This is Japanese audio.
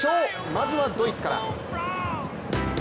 まずはドイツから。